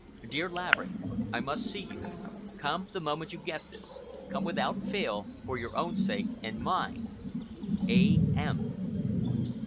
DEAR LAVERICK, I must see you. Come the moment you get this. Come without fail, for your own sake and mine. A. M.